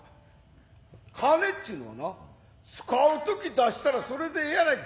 金ちゅうのはな使うとき出したらそれでええやないか。